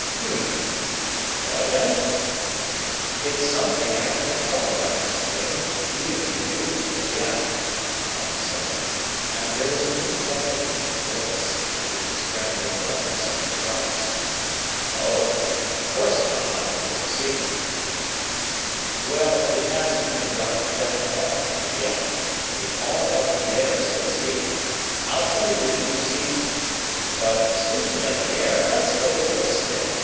"Um! Well, then " "It's something I can't talk about, Mr. Damon, even to you, as yet," Tom said, and there was a new quality in his voice, at which his friend looked up in some surprise. "Oh, of course, Tom, if it's a secret " "Well, it hasn't even got that far, as yet. It's all up in the air, so to speak. I'll tell you in due season. But, speaking of the air, let's go for a spin.